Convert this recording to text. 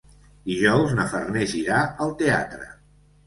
Dijous na Farners irà al teatre.